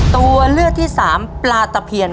ตัวเลือกที่สามปลาตะเพียน